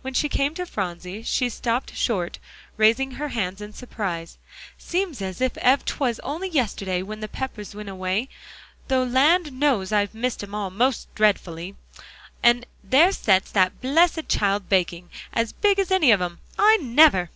When she came to Phronsie, she stopped short, raising her hands in surprise. "Seems as ef 'twas only yesterday when the Peppers went away, though land knows I've missed 'em all most dretfully, 'an there sets that blessed child baking, as big as any of 'em. I never!"